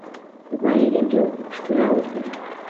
قوربانی لهنجه و گوفت و ناوت بم